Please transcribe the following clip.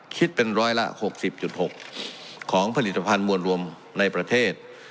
คิดเป็นร้อยละ๖๐๖ของผลิตภัณฑ์มวลรวมในประเทศ